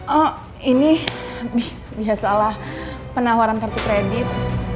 oh ini biasalah penawaran kartu kredit